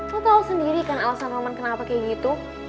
lo tau sendiri kan alasan roman kenapa kayak gitu